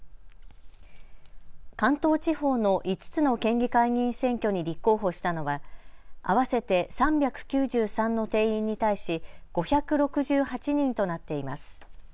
関東地方の５つの県議会議員選挙に立候補したのは合わせて３９３の定員に対し５６８人となっています。